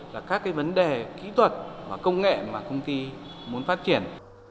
là các cái vấn đề kỹ thuật và công nghệ mà công ty muốn phát triển